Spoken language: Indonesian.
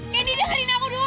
kendi dengerin aku dulu